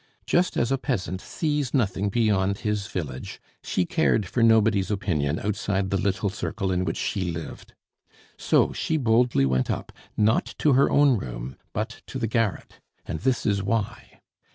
Just as a peasant sees nothing beyond his village, she cared for nobody's opinion outside the little circle in which she lived. So she boldly went up, not to her own room, but to the garret; and this is why.